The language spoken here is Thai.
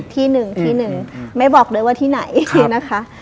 ที่หนึ่งไม่บอกเลยว่าที่ไหนนะคะ